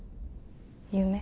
夢。